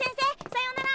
さよなら！